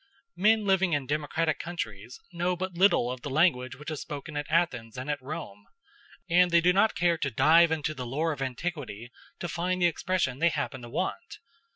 Men living in democratic countries know but little of the language which was spoken at Athens and at Rome, and they do not care to dive into the lore of antiquity to find the expression they happen to want.